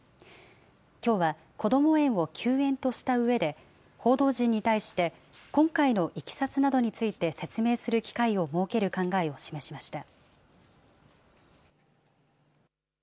きょうはこども園を休園としたうえで、報道陣に対して、今回のいきさつなどについて説明する機会を設ける考えを示しました。